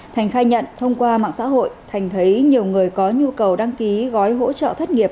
thành khai nhận thông qua mạng xã hội thành thấy nhiều người có nhu cầu đăng ký gói hỗ trợ thất nghiệp